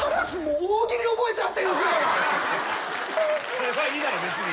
それはいいだろ別に。